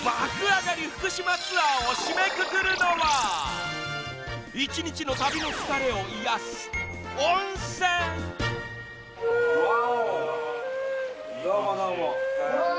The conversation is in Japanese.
上がり福島ツアーを締めくくるのは一日の旅の疲れを癒やす温泉わおどうもどうもわ